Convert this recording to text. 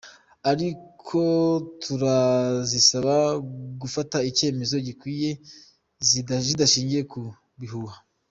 Ariko turazisaba gufata icyemezo gikwiye zidashingiye ku bihuha.